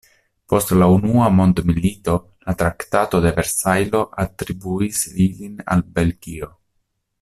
Post la Unua mondmilito la Traktato de Versajlo atribuis ilin al Belgio.